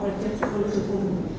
oleh jasa penuntut umum